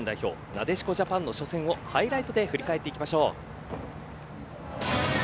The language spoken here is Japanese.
なでしこジャパンの初戦をハイライトで振り返っていきましょう。